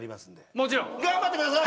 もちろん。頑張ってください。